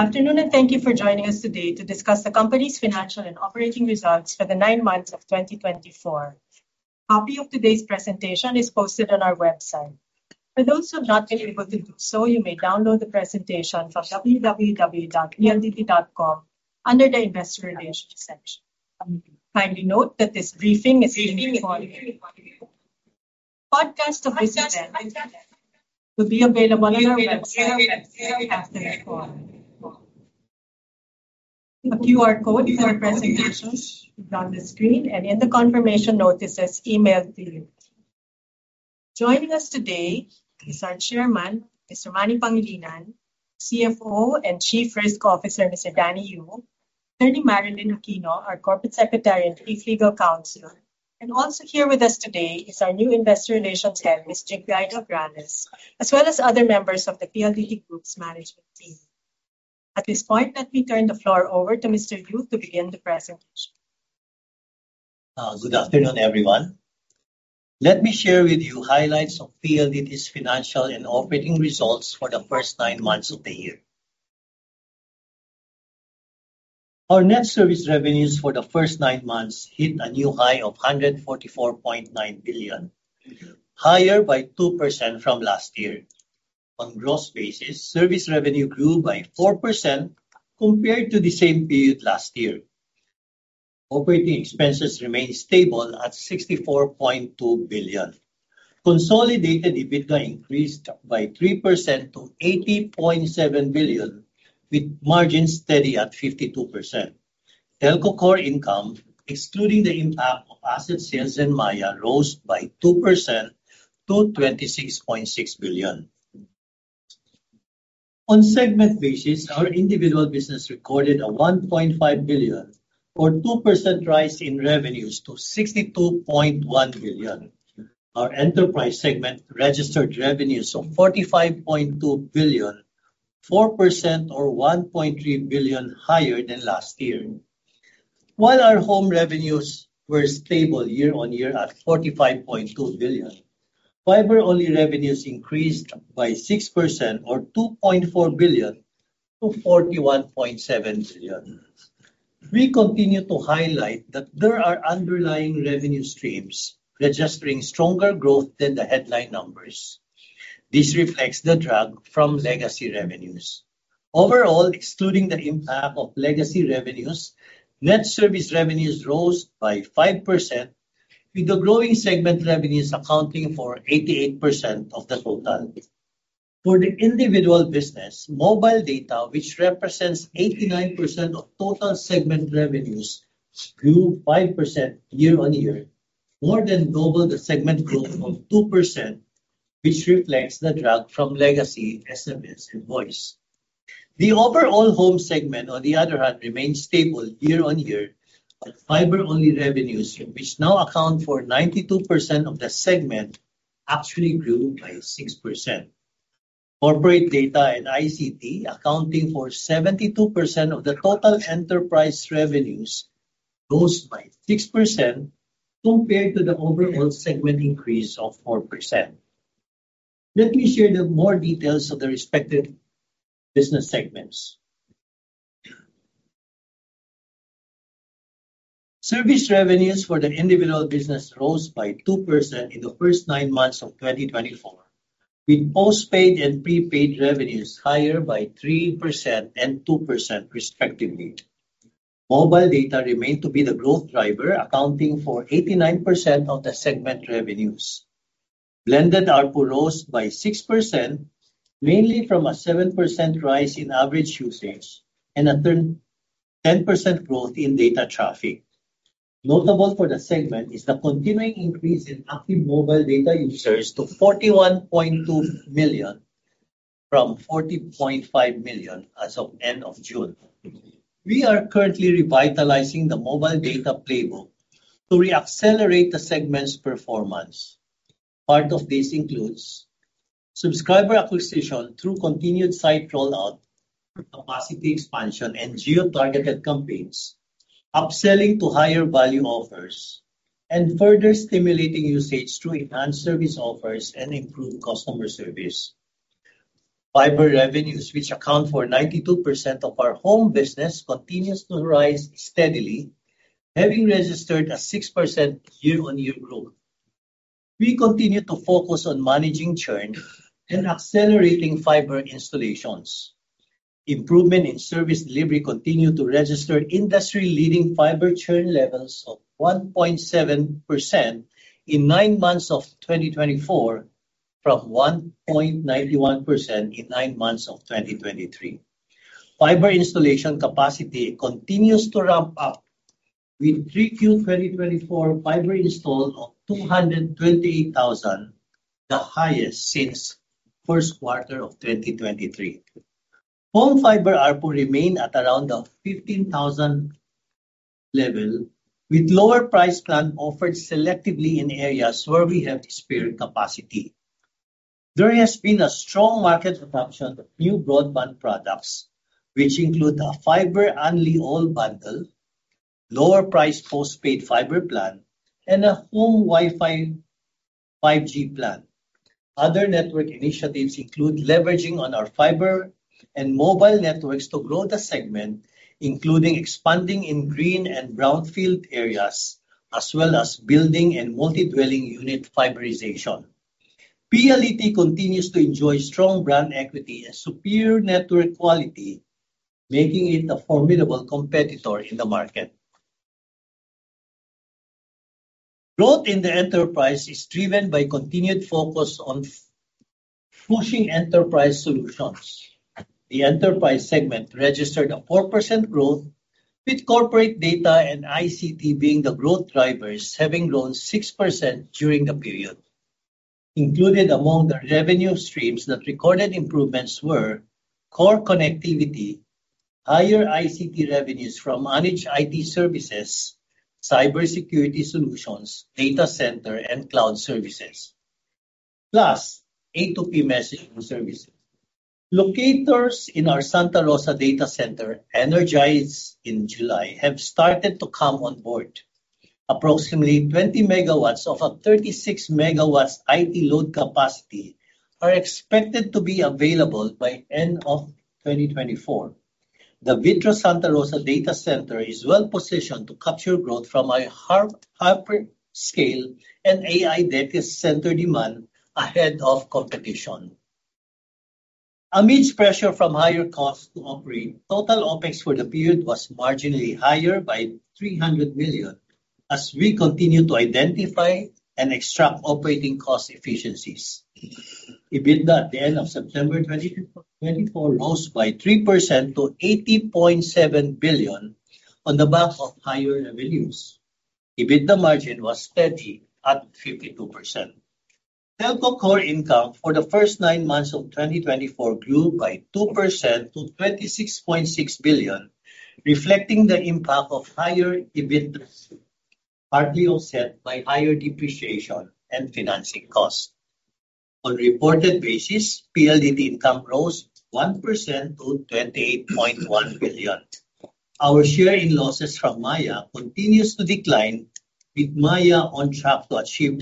Afternoon, and thank you for joining us today to discuss the company's financial and operating results for the nine months of 2024. A copy of today's presentation is posted on our website. For those who have not been able to do so, you may download the presentation from www.pldt.com under the Investor Relations section. Kindly note that this briefing is being recorded. The podcast of this event will be available on our website after the call. A QR code for the presentation is on the screen and in the confirmation notices emailed to you. Joining us today is our Chairman, Mr. Manny Pangilinan, CFO and Chief Risk Officer, Mr. Danny Yu, Atty. Marilyn Victorino-Aquino, our Corporate Secretary and Chief Legal Counsel, and also here with us today is our new Investor Relations Head, Mr. Jake Baidwan, as well as other members of the PLDT Group's management team. At this point, let me turn the floor over to Mr. Yu to begin the presentation. Good afternoon, everyone. Let me share with you highlights of PLDT's financial and operating results for the first nine months of the year. Our net service revenues for the first nine months hit a new high of 144.9 billion, higher by 2% from last year. On a gross basis, service revenue grew by 4% compared to the same period last year. Operating expenses remained stable at 64.2 billion. Consolidated EBITDA increased by 3% to 80.7 billion, with margins steady at 52%. Telco core income, excluding the impact of asset sales and Maya, rose by 2% to 26.6 billion. On a segment basis, our individual business recorded a 1.5 billion, or a 2% rise in revenues, to 62.1 billion. Our enterprise segment registered revenues of 45.2 billion, 4% or 1.3 billion higher than last year, while our home revenues were stable year-on-year at 45.2 billion. Fiber-only revenues increased by 6%, or 2.4 billion, to 41.7 billion. We continue to highlight that there are underlying revenue streams registering stronger growth than the headline numbers. This reflects the drag from legacy revenues. Overall, excluding the impact of legacy revenues, net service revenues rose by 5%, with the growing segment revenues accounting for 88% of the total. For the individual business, mobile data, which represents 89% of total segment revenues, grew 5% year-on-year, more than doubling the segment growth of 2%, which reflects the drag from legacy SMS and voice. The overall home segment, on the other hand, remained stable year-on-year, but fiber-only revenues, which now account for 92% of the segment, actually grew by 6%. Corporate data and ICT accounting for 72% of the total enterprise revenues rose by 6% compared to the overall segment increase of 4%. Let me share more details of the respective business segments. Service revenues for the wireless business rose by 2% in the first nine months of 2024, with postpaid and prepaid revenues higher by 3% and 2%, respectively. Mobile data remained to be the growth driver, accounting for 89% of the segment revenues. Blended ARPU rose by 6%, mainly from a 7% rise in average usage and a 10% growth in data traffic. Notable for the segment is the continuing increase in active mobile data users to 41.2 million from 40.5 million as of the end of June. We are currently revitalizing the mobile data playbook to reaccelerate the segment's performance. Part of this includes subscriber acquisition through continued site rollout, capacity expansion, and geo-targeted campaigns, upselling to higher value offers, and further stimulating usage through enhanced service offers and improved customer service. Fiber revenues, which account for 92% of our home business, continue to rise steadily, having registered a 6% year-on-year growth. We continue to focus on managing churn and accelerating fiber installations. Improvement in service delivery continues to register industry-leading fiber churn levels of 1.7% in nine months of 2024 from 1.91% in nine months of 2023. Fiber installation capacity continues to ramp up, with Q2 2024 fiber installed of 228,000, the highest since the first quarter of 2023. Home fiber ARPU remain at around the 15,000 level, with lower price plans offered selectively in areas where we have disparate capacity. There has been a strong market adoption of new broadband products, which include a Fiber Unli-All Bundle, lower-priced postpaid Fiber plan, and a home Wi-Fi 5G plan. Other network initiatives include leveraging our fiber and mobile networks to grow the segment, including expanding in green and brownfield areas, as well as building and multi-dwelling unit fiberization. PLDT continues to enjoy strong brand equity and superior network quality, making it a formidable competitor in the market. Growth in the enterprise is driven by continued focus on pushing enterprise solutions. The Enterprise segment registered a 4% growth, with Corporate data and ICT being the growth drivers, having grown 6% during the period. Included among the revenue streams that recorded improvements were core connectivity, higher ICT revenues from managed IT services, cybersecurity solutions, data center, and cloud services, plus A2P messaging services. Locators in our Santa Rosa data center, energized in July have started to come on board. Approximately 20 MW of a 36 MW IT load capacity are expected to be available by the end of 2024. The Vitro Santa Rosa data center is well-positioned to capture growth from a hyperscale and AI data center demand ahead of competition. Amid pressure from higher costs to operate, total OpEx for the period was marginally higher by 300 million, as we continue to identify and extract operating cost efficiencies. EBITDA at the end of September 2024 rose by 3% to 80.7 billion on the back of higher revenues. EBITDA margin was steady at 52%. Telco core income for the first nine months of 2024 grew by 2% to 26.6 billion, reflecting the impact of higher EBITDA, partly offset by higher depreciation and financing costs. On a reported basis, PLDT income rose 1% to 28.1 billion. Our share in losses from Maya continues to decline, with Maya on track to achieve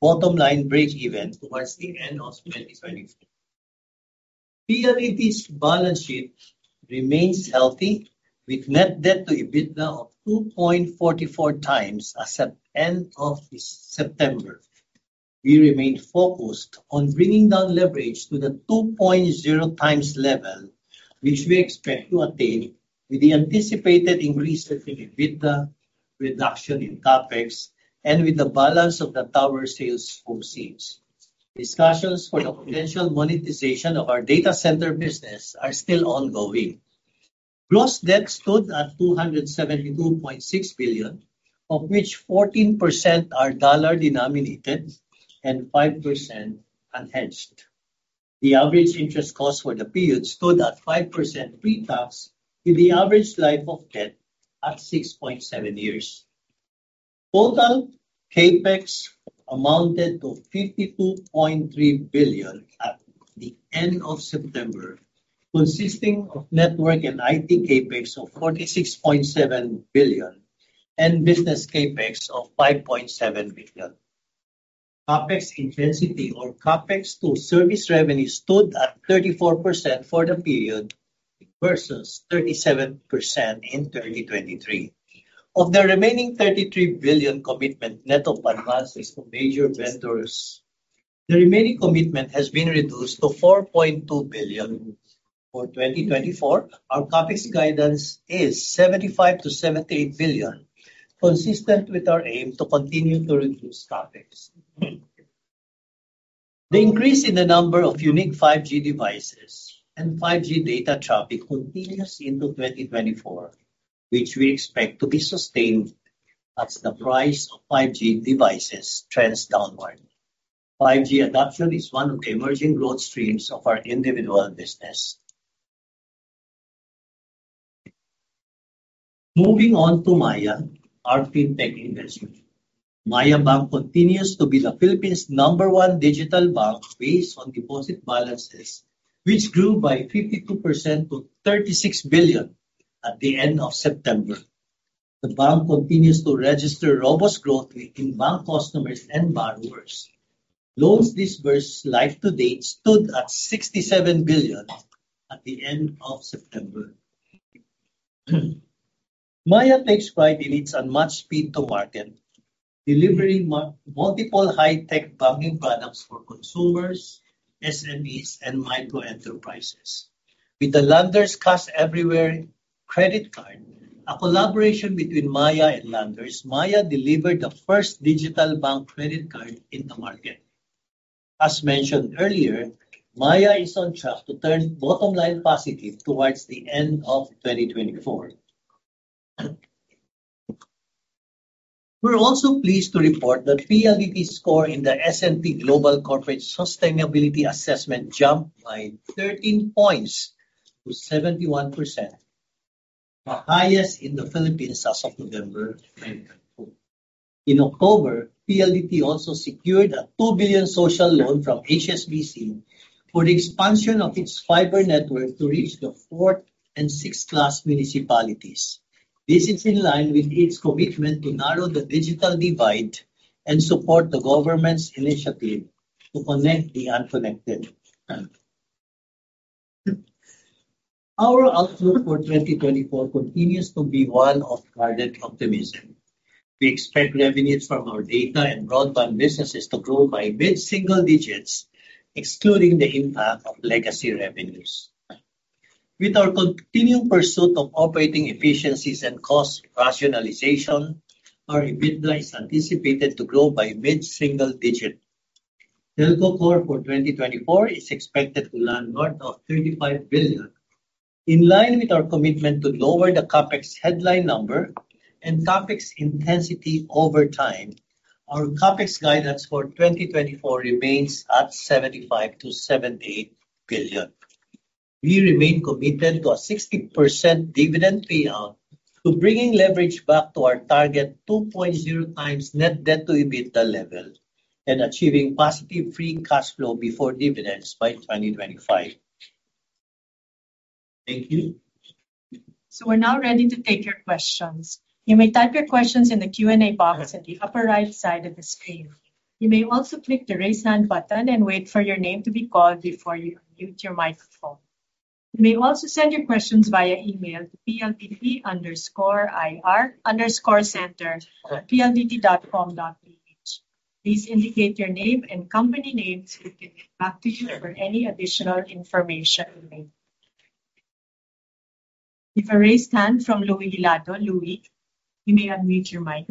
bottom line breakeven towards the end of 2024. PLDT's balance sheet remains healthy, with net debt to EBITDA of 2.44 times as of the end of September. We remain focused on bringing down leverage to the 2.0 times level, which we expect to attain with the anticipated increase in EBITDA, reduction in CapEx, and with the balance of the tower sales proceeds. Discussions for the potential monetization of our data center business are still ongoing. Gross debt stood at 272.6 billion, of which 14% are dollar-denominated and 5% unhedged. The average interest cost for the period stood at 5% pre-tax, with the average life of debt at 6.7 years. Total CapEx amounted to 52.3 billion at the end of September, consisting of network and IT CapEx of 46.7 billion and business CapEx of 5.7 billion. CapEx intensity, or CapEx to service revenue, stood at 34% for the period versus 37% in 2023. Of the remaining 33 billion commitment, net of advances to major vendors, the remaining commitment has been reduced to 4.2 billion. For 2024, our CapEx guidance is 75 billion-78 billion, consistent with our aim to continue to reduce CapEx. The increase in the number of unique 5G devices and 5G data traffic continues into 2024, which we expect to be sustained as the price of 5G devices trends downward. 5G adoption is one of the emerging growth streams of our individual business. Moving on to Maya, our fintech investment. Maya Bank continues to be the Philippines' number one digital bank based on deposit balances, which grew by 52% to 36 billion at the end of September. The bank continues to register robust growth within bank customers and borrowers. Loans disbursed live to date stood at 67 billion at the end of September. Maya takes pride in its unmatched speed to market, delivering multiple high-tech banking products for consumers, SMEs, and microenterprises. With the Landers Cashback Everywhere Credit Card, a collaboration between Maya and Landers, Maya delivered the first digital bank credit card in the market. As mentioned earlier, Maya is on track to turn bottom line positive towards the end of 2024. We're also pleased to report that PLDT's score in the S&P Global Corporate Sustainability Assessment jumped by 13 points to 71%, the highest in the Philippines as of November 2024. In October, PLDT also secured a 2 billion social loan from HSBC for the expansion of its fiber network to reach the fourth and sixth-class municipalities. This is in line with its commitment to narrow the digital divide and support the government's initiative to connect the unconnected. Our outlook for 2024 continues to be one of guarded optimism. We expect revenues from our data and broadband businesses to grow by mid-single-digits, excluding the impact of legacy revenues. With our continued pursuit of operating efficiencies and cost rationalization, our EBITDA is anticipated to grow by mid-single-digit. Telco core for 2024 is expected to land north of 35 billion. In line with our commitment to lower the CapEx headline number and CapEx intensity over time, our CapEx guidance for 2024 remains at 75 billion-78 billion. We remain committed to a 60% dividend payout, to bringing leverage back to our target 2.0 times net debt to EBITDA level, and achieving positive free cash flow before dividends by 2025. Thank you. So, we're now ready to take your questions. You may type your questions in the Q&A box at the upper right side of the screen. You may also click the raise hand button and wait for your name to be called before you unmute your microphone. You may also send your questions via email to pldt_ir_center@pldt.com.ph. Please indicate your name and company name so we can get back to you for any additional information. We have a raised hand from Luis Hilado. Luis, you may unmute your mic.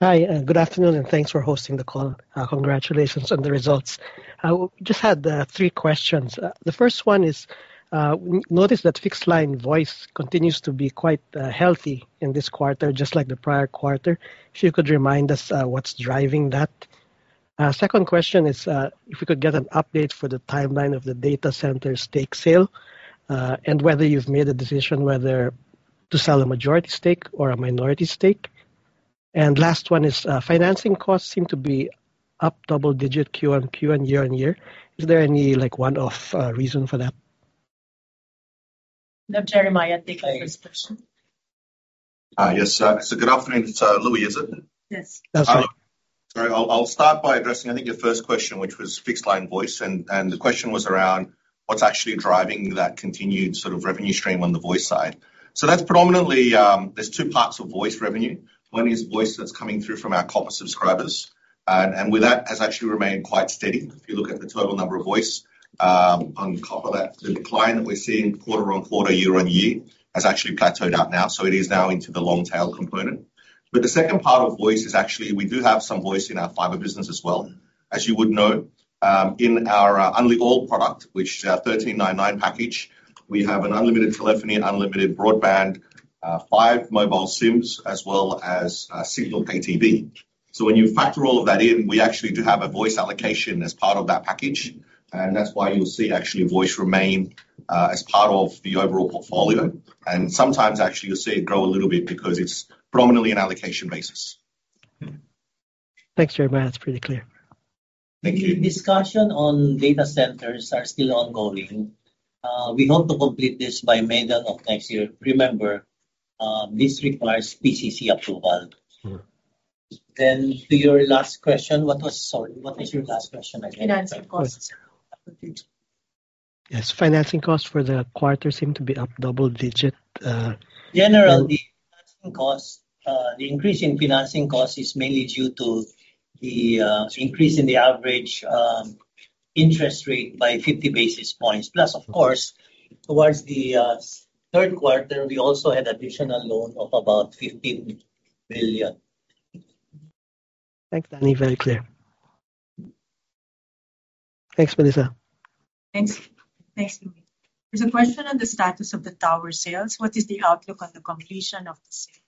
Hi, good afternoon, and thanks for hosting the call. Congratulations on the results. We just had three questions. The first one is, we noticed that fixed line voice continues to be quite healthy in this quarter, just like the prior quarter. If you could remind us what's driving that? Second question is if we could get an update for the timeline of the data center stake sale and whether you've made a decision whether to sell a majority stake or a minority stake. And last one is financing costs seem to be up double-digit Q-Q and year-on-year. Is there any one-off reason for that? No, Jeremiah, take the first question. Yes, so good afternoon. It's Luis, is it? Yes. Sorry, I'll start by addressing, I think, your first question, which was fixed line voice. And the question was around what's actually driving that continued sort of revenue stream on the voice side. So that's predominantly, there's two parts of voice revenue. One is voice that's coming through from our corporate subscribers. And with that has actually remained quite steady. If you look at the total number of voice on top of that, the decline that we're seeing quarter on quarter, year on year has actually plateaued out now. So it is now into the long tail component. But the second part of voice is actually we do have some voice in our fiber business as well. As you would know, in our Unli-All product, which is our 1399 package, we have an unlimited telephony, unlimited broadband, five mobile SIMs, as well as Cignal Pay TV. So when you factor all of that in, we actually do have a voice allocation as part of that package. And that's why you'll see actually voice remain as part of the overall portfolio. And sometimes actually you'll see it grow a little bit because it's predominantly an allocation basis. Thanks, Jeremiah. That's pretty clear. Thank you. Discussion on data centers are still ongoing. We hope to complete this by mid-end of next year. Remember, this requires PCC approval. Then to your last question, what was, sorry, what was your last question again? Financing costs. Yes, financing costs for the quarter seem to be up double digit. Generally, financing costs, the increase in financing costs is mainly due to the increase in the average interest rate by 50 basis points. Plus, of course, towards the third quarter, we also had additional loan of about 15 billion. Thanks, Danny. Very clear. Thanks, Melissa. Thanks. Thanks, Luis. There's a question on the status of the tower sales. What is the outlook on the completion of the sale? What's the tower sales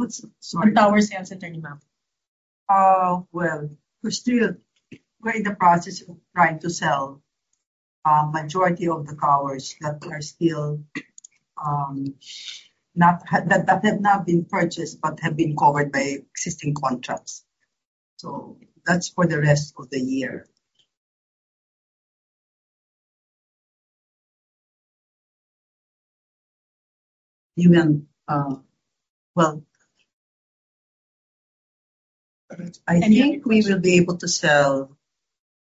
at any moment? Well, we're still, we're in the process of trying to sell a majority of the towers that are still not, that have not been purchased, but have been covered by existing contracts. So that's for the rest of the year. You can, well, I think we will be able to sell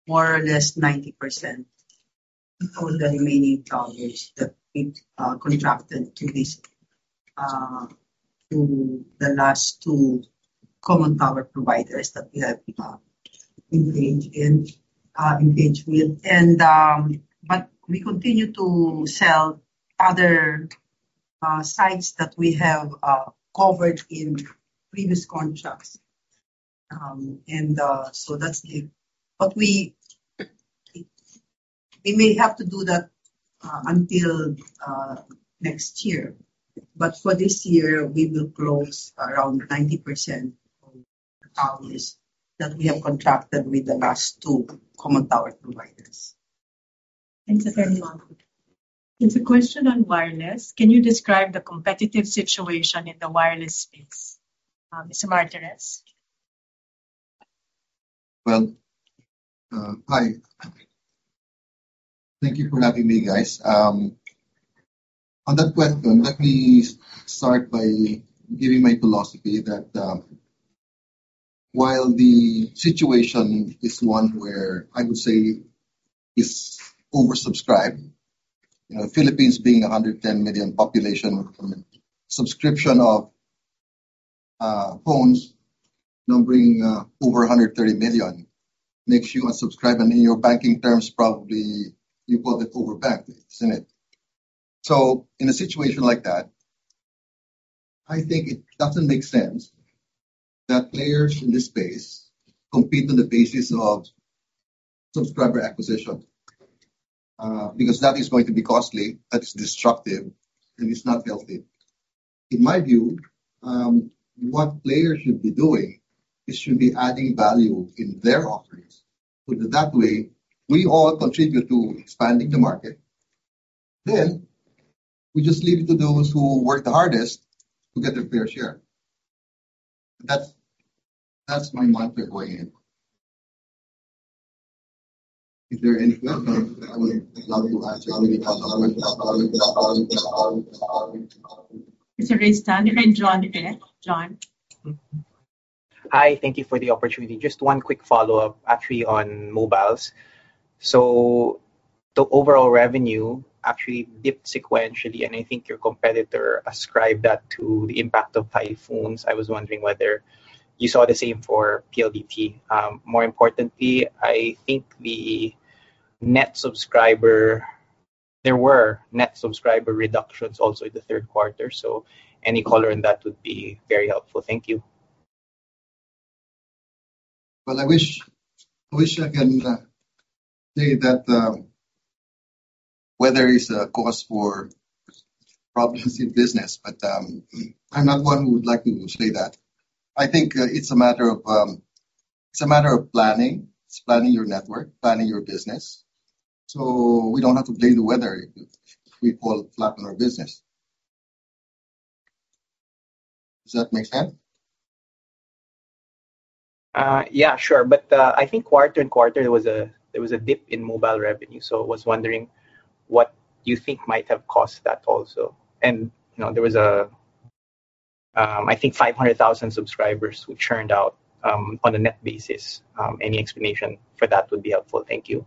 more or less 90% of the remaining towers that we contracted to the last two common tower providers that we have engaged in, engaged with. And but we continue to sell other sites that we have covered in previous contracts. And so that's the, but we may have to do that until next year. But for this year, we will close around 90% of the towers that we have contracted with the last two common tower providers. Thanks, Jeremiah. There's a question on wireless. Can you describe the competitive situation in the wireless space? Mr. Martirez. Well, hi. Thank you for having me, guys. On that question, let me start by giving my philosophy that while the situation is one where I would say is oversubscribed, the Philippines being a 110 million population subscription of phones numbering over 130 million makes it oversubscribed. And in your banking terms, probably you call it overbanked, isn't it? So, in a situation like that, I think it doesn't make sense that players in this space compete on the basis of subscriber acquisition because that is going to be costly, that is destructive, and it's not healthy. In my view, what players should be doing is adding value in their offerings so that way we all contribute to expanding the market. Then we just leave it to those who work the hardest to get their fair share. That's my mantra going in. If there are any questions, I would love to answer. Mr. Reyes, Danny and John. Hi. Thank you for the opportunity. Just one quick follow-up, actually, on mobiles. So, the overall revenue actually dipped sequentially, and I think your competitor ascribed that to the impact of typhoons. I was wondering whether you saw the same for PLDT. More importantly, I think the net subscriber, there were net subscriber reductions also in the third quarter. So, any color on that would be very helpful. Thank you. Well, I wish I can say that weather is a cause for problems in business, but I'm not one who would like to say that. I think it's a matter of, it's a matter of planning. It's planning your network, planning your business. So we don't have to blame the weather if we fall flat on our business. Does that make sense? Yeah, sure. But I think quarter and quarter, there was a dip in mobile revenue. So I was wondering what you think might have caused that also. And there was, I think, 500,000 subscribers which churned out on a net basis. Any explanation for that would be helpful. Thank you.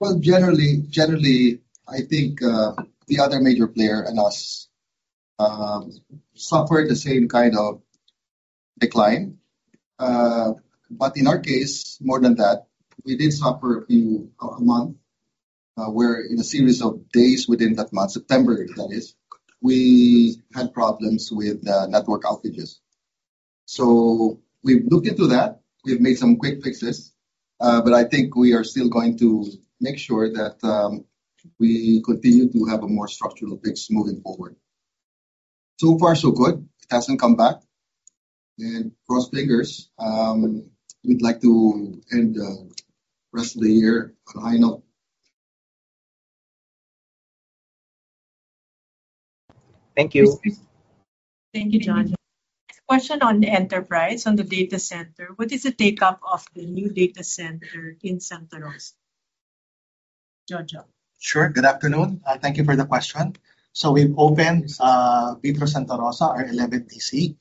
Well, generally, I think the other major player and us suffered the same kind of decline. But in our case, more than that, we did suffer a few a month where in a series of days within that month, September, that is, we had problems with network outages. So we've looked into that. We've made some quick fixes, but I think we are still going to make sure that we continue to have a more structural fix moving forward. So far, so good. It hasn't come back. And cross fingers. We'd like to end the rest of the year on a high note. Thank you. Thank you, John. Next question on enterprise, on the data center. What is the takeoff of the new data center in Santa Rosa? Jojo. Sure. Good afternoon. Thank you for the question. So, we've opened Vitro Santa Rosa, our 11th DC.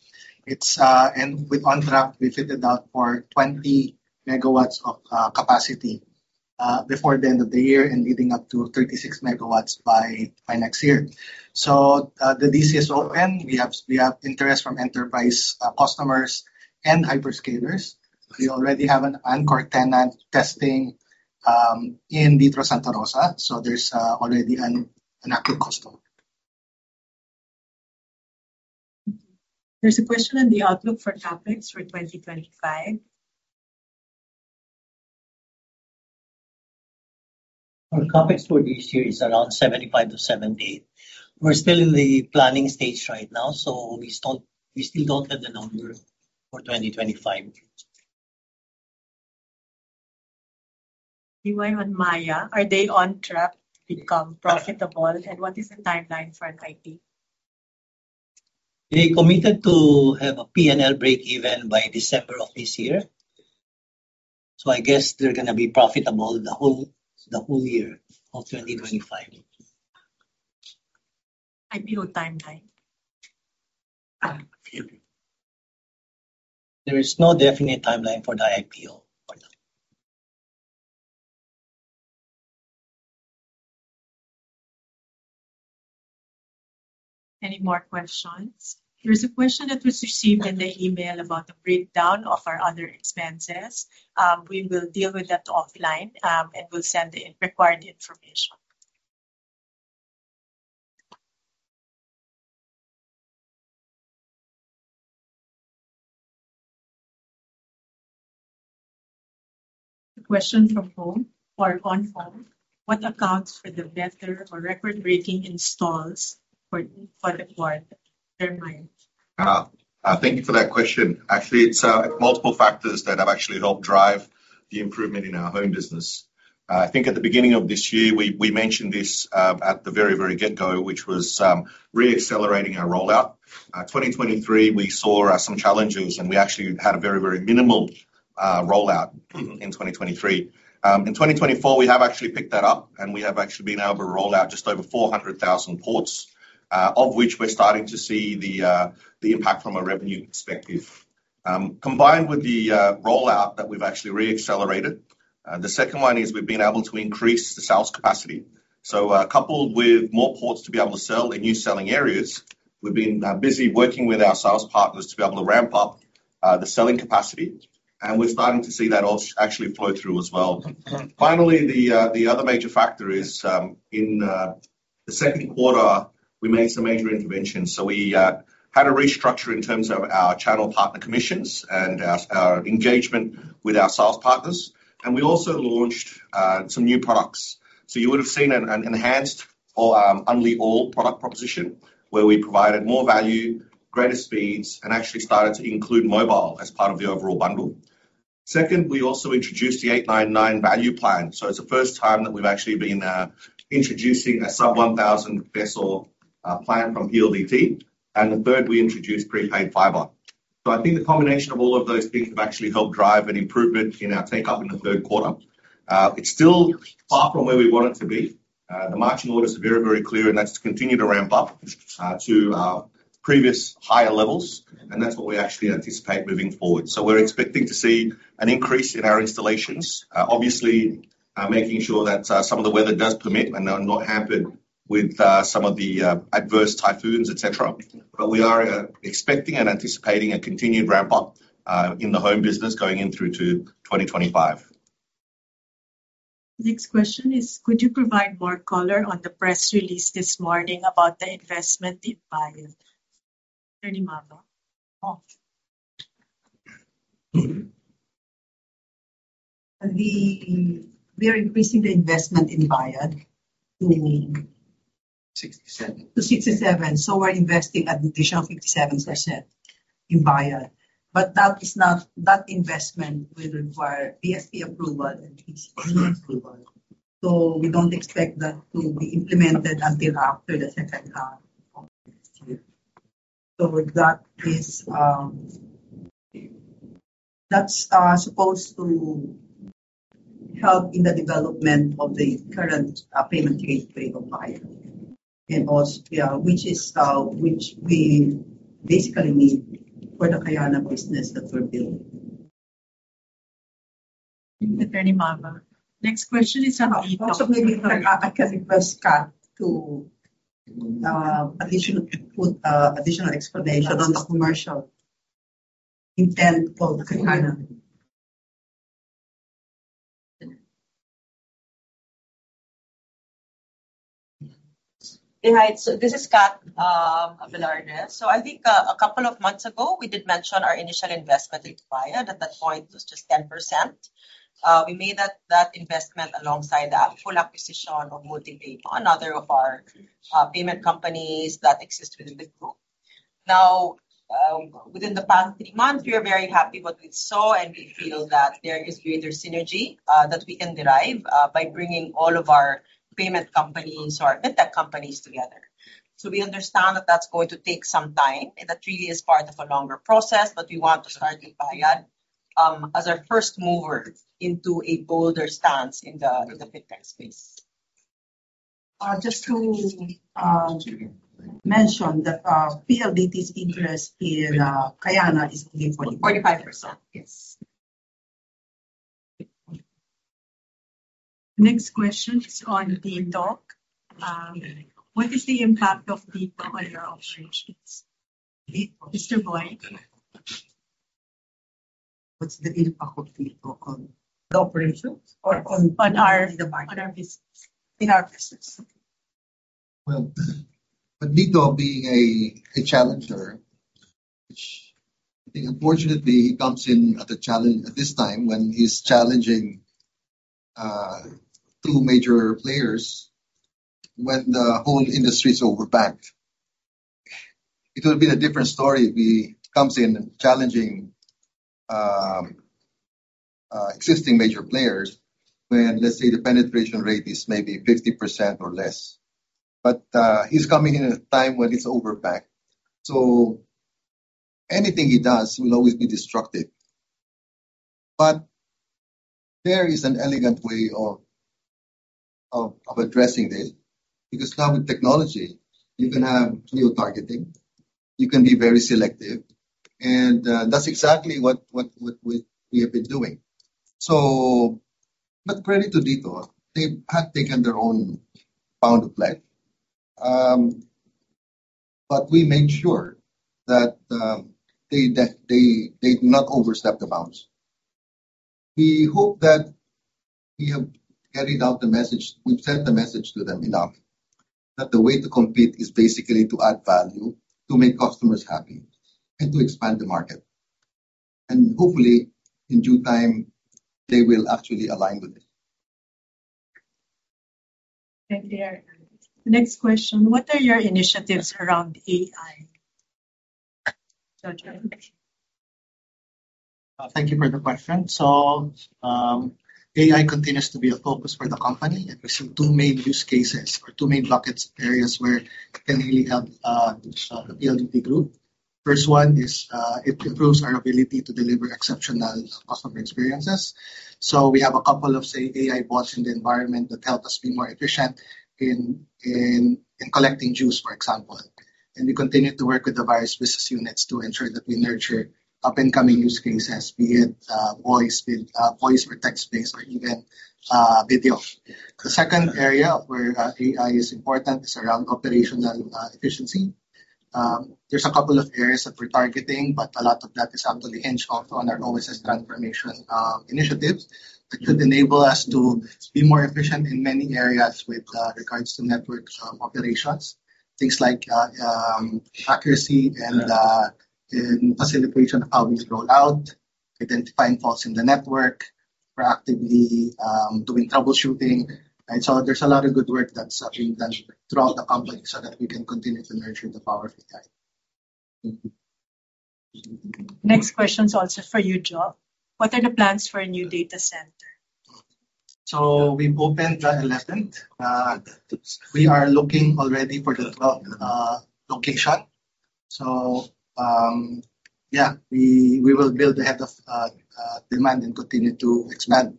And with on track, we fitted out for 20 MW of capacity before the end of the year and leading up to 36 megawatts by next year. So, the DC is open. We have interest from enterprise customers and hyperscalers. We already have an anchor tenant testing in Vitro Santa Rosa. So there's already an active customer. There's a question on the outlook for CapEx for 2025. For CapEx for this year is around 75-78 million. We're still in the planning stage right now. So, we still don't have the number for 2025. You went with Maya. Are they on track to become profitable? And what is the timeline for an IP? They committed to have a P&L breakeven by December of this year. So, I guess they're going to be profitable the whole year of 2025. IPO timeline. There is no definite timeline for the IPO. Any more questions? There's a question that was received in the email about the breakdown of our other expenses. We will deal with that offline and will send the required information. A question from home or on home. What accounts for the vendor or record-breaking installs for the quarter? Jeremiah. Thank you for that question. Actually, it's multiple factors that have actually helped drive the improvement in our home business. I think at the beginning of this year, we mentioned this at the very, very get-go, which was reaccelerating our rollout. 2023, we saw some challenges, and we actually had a very, very minimal rollout in 2023. In 2024, we have actually picked that up, and we have actually been able to roll out just over 400,000 ports, of which we're starting to see the impact from a revenue perspective. Combined with the rollout that we've actually reaccelerated, the second one is we've been able to increase the sales capacity, so coupled with more ports to be able to sell in new selling areas, we've been busy working with our sales partners to be able to ramp up the selling capacity, and we're starting to see that actually flow through as well. Finally, the other major factor is in the second quarter, we made some major interventions, so we had a restructure in terms of our channel partner commissions and our engagement with our sales partners. We also launched some new products. So you would have seen an enhanced Unli All product proposition where we provided more value, greater speeds, and actually started to include mobile as part of the overall bundle. Second, we also introduced the 899 value plan. So it's the first time that we've actually been introducing a sub-1,000-peso plan from PLDT. And the third, we introduced prepaid fiber. So I think the combination of all of those things have actually helped drive an improvement in our uptake in the third quarter. It's still far from where we want it to be. The marching orders are very, very clear, and that's continued to ramp up to previous higher levels. And that's what we actually anticipate moving forward. We are expecting to see an increase in our installations, obviously making sure that some of the weather does permit and are not hampered with some of the adverse typhoons, etc. We are expecting and anticipating a continued ramp-up in the home business going into 2025. Next question is, could you provide more color on the press release this morning about the investment in Bayad? Jeremiah? We are increasing the investment in Bayad to 67%. So we are investing an additional 57% in Bayad. That investment will require BSP approval and PCC approval. We do not expect that to be implemented until after the second half of next year. That is supposed to help in the development of the current payment gateway of Bayad, which is what we basically need for the Kayana business that we are building. Thank you, Jeremiah. Next question is on the. I can request cut to additional explanation on the commercial intent for Kayana. Hey, hi, so this is Kat Abelarde. I think a couple of months ago, we did mention our initial investment in Bayad. At that point, it was just 10%. We made that investment alongside the full acquisition of MultiPay, another of our payment companies that exist within the group. Now, within the past three months, we are very happy with what we saw, and we feel that there is greater synergy that we can derive by bringing all of our payment companies or fintech companies together. We understand that that's going to take some time, and that really is part of a longer process, but we want to start in Bayad as our first mover into a bolder stance in the fintech space. Just to mention that PLDT's interest in Kayana is moving forward. 45%, yes. Next question is on DITO. What is the impact of DITO on your operations? Mr. Boy. What's the impact of DITO on the operations or on the market? In our business. In our business. Well, with DITO being a challenger, which I think, unfortunately, he comes in as a challenger at this time when he's challenging two major players when the whole industry is overbuilt. It would have been a different story if he comes in challenging existing major players when, let's say, the penetration rate is maybe 50% or less. But he's coming in at a time when it's overbuilt. So, anything he does will always be destructive. But there is an elegant way of addressing this because now with technology, you can have real targeting. You can be very selective. And that's exactly what we have been doing. So, but credit to DITO, they have taken their own bounds of play. But we made sure that they did not overstep the bounds. We hope that we have carried out the message. We've sent the message to them enough that the way to compete is basically to add value, to make customers happy, and to expand the market. And hopefully, in due time, they will actually align with it. Thank you. Next question. What are your initiatives around AI? Thank you for the question. So, AI continues to be a focus for the company. We see two main use cases or two main buckets, areas where it can really help the PLDT group. First one is it improves our ability to deliver exceptional customer experiences. So, we have a couple of, say, AI bots in the environment that help us be more efficient in collecting dues, for example. And we continue to work with the various business units to ensure that we nurture up-and-coming use cases, be it voice or text-based or even video. The second area where AI is important is around operational efficiency. There's a couple of areas that we're targeting, but a lot of that is actually hinged on our OSS transformation initiatives that should enable us to be more efficient in many areas with regards to network operations, things like accuracy and facilitation of how we roll out, identifying faults in the network, proactively doing troubleshooting. And so there's a lot of good work that's being done throughout the company so that we can continue to nurture the power of AI. Next question is also for you, Joe. What are the plans for a new data center? So we've opened the 11th. We are looking already for the 12th location. So yeah, we will build ahead of demand and continue to expand.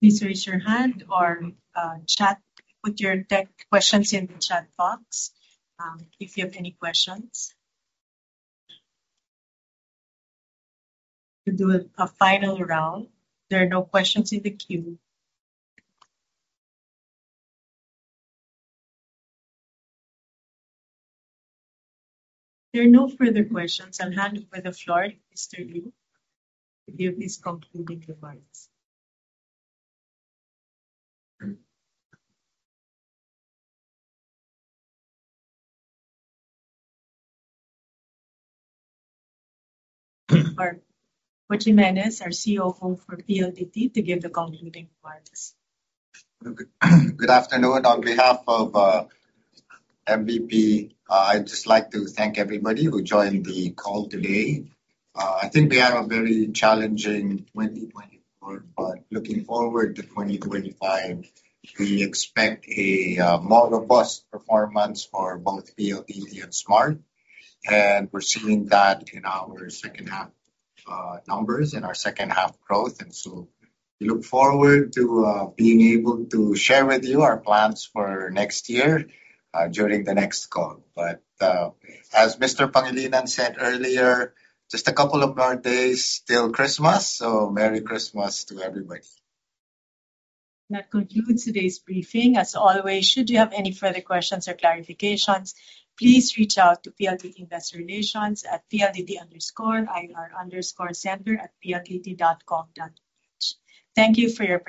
Please raise your hand or chat with your tech questions in the chat box if you have any questions. We'll do a final round. There are no questions in the queue. There are no further questions. I'll hand over the floor to Mr. Yu to give his concluding remarks. Or Jimenez, our COO for PLDT, to give the concluding remarks. Good afternoon. On behalf of MVP, I'd just like to thank everybody who joined the call today. I think we have a very challenging 2024, but looking forward to 2025, we expect a more robust performance for both PLDT and Smart. And we're seeing that in our second-half numbers and our second-half growth. And so we look forward to being able to share with you our plans for next year during the next call. But as Mr. Pangilinan said earlier, just a couple of more days, still Christmas. So Merry Christmas to everybody. That concludes today's briefing. As always, should you have any further questions or clarifications, please reach out to PLDT Investor Relations at PLDT_IR_Center@PLDT.com. Thank you for your.